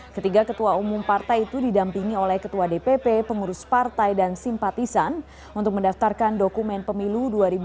ketiga ketua umum partai itu didampingi oleh ketua dpp pengurus partai dan simpatisan untuk mendaftarkan dokumen pemilu dua ribu dua puluh